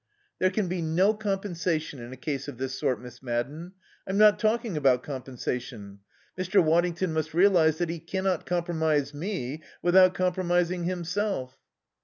"There can be no compensation in a case of this sort, Miss Madden. I'm not talking about compensation. Mr. Waddington must realize that he cannot compromise me without compromising himself."